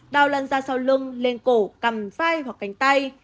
đau lăn ra sau lưng lên cổ cầm vai hoặc cánh tay